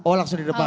oh langsung di depan